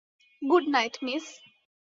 Good night, miss.